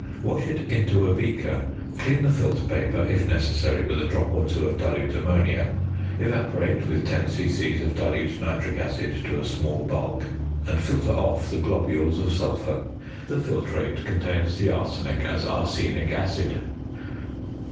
Wash it into a beaker, clean the filter paper (if necessary) with a drop or two of dilute ammonia; evaporate with 10 c.c. of dilute nitric acid to a small bulk; dilute; and filter off the globules of sulphur. The filtrate contains the arsenic as arsenic acid.